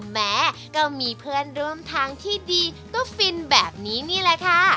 แม้ก็มีเพื่อนร่วมทางที่ดีก็ฟินแบบนี้นี่แหละค่ะ